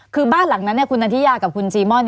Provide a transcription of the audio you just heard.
คือบ้านหลังนั้นคุณนันทิยากับคุณซีม่อน